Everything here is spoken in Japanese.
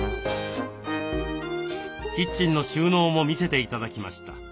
キッチンの収納も見せて頂きました。